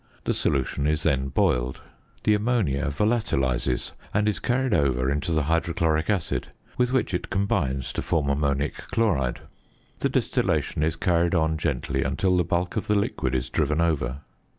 The solution is then boiled. The ammonia volatilises, and is carried over into the hydrochloric acid, with which it combines to form ammonic chloride. The distillation is carried on gently until the bulk of the liquid is driven over.